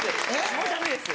もうダメです。